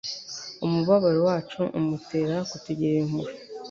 Umubabaro wacu umutera kutugirira impuhwe.